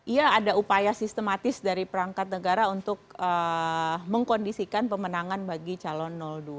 iya ada upaya sistematis dari perangkat negara untuk mengkondisikan pemenangan bagi calon dua